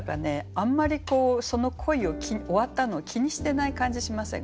あんまりその恋を終わったのを気にしてない感じしませんか？